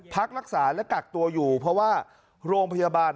พักรักษาและกักตัวอยู่เพราะว่าโรงพยาบาล